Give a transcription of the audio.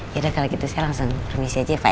yaudah kalau gitu saya langsung permisi aja ya pak ya